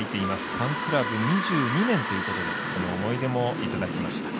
ファンクラブ２２年ということでその思い出もいただきました。